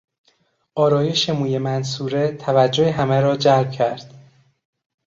آرایش موی منصوره توجه همه را جلب کرد.